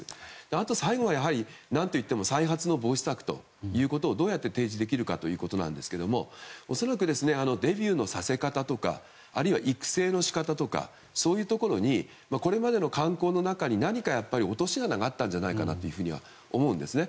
あと、最後は何といっても再発防止策をどうやって提示できるかということですが恐らく、デビューのさせ方とかあるいは育成の仕方とかそういうところにこれまでの慣行の中に何か落とし穴があったんじゃないかと思うんですね。